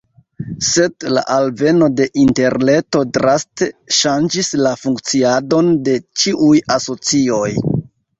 Sed la alveno de interreto draste ŝanĝis la funkciadon de ĉiuj asocioj.